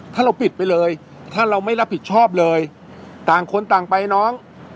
ถ้าเราปิดไปเลยถ้าเราไม่รับผิดชอบเลยต่างคนต่างไปน้อง